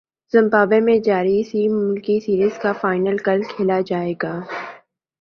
Zimbabwe میں جاری سہ ملکی سیریز کا فائنل کل کھیلا جائے گا